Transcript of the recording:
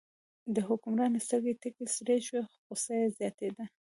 د حکمران سترګې تکې سرې شوې، غوسه یې زیاتېده.